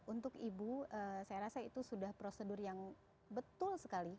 untuk ibu saya rasa itu sudah prosedur yang betul sekali